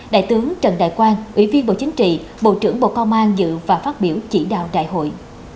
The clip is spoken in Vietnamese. đại tướng trần đại quang ủy viên bộ chính trị bộ trưởng bộ công an dự và phát biểu chỉ đạo đại hội